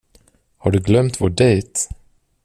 Har du glömt vår dejt?